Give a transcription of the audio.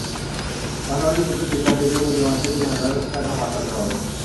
পাশাপাশি প্রত্যেক প্রশিক্ষণার্থীকে প্রতি মাসে তিন হাজার টাকা ভাতা দেওয়া হবে।